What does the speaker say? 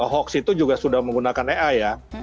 hoax itu juga sudah menggunakan ea ya